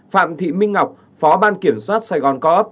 phạm thị minh ngọc phó ban kiểm soát sài gòn co op